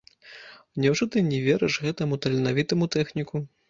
Няўжо ты не верыш гэтаму таленавітаму тэхніку?